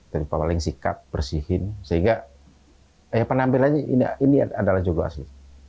kita paling sikat bersihin sehingga penampilannya ini adalah jodoh asli